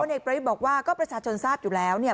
เอกประวิทย์บอกว่าก็ประชาชนทราบอยู่แล้วเนี่ย